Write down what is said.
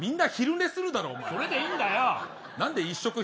それでいいんだよ。